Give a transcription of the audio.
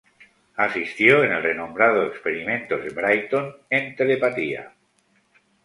Asistió en el renombrado "experimentos de Brighton" en telepatía.